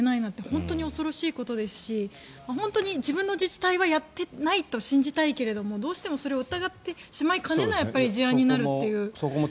本当に恐ろしいことですし本当に自分の自治体はやってないと信じたいけどもどうしてもそれを疑ってしまいかねない事案になるということが。